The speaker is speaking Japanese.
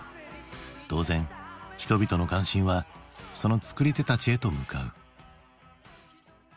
当然人々の関心はその作り手たちへと向かう。